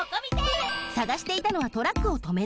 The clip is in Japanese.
さがしていたのはトラックをとめるばしょ。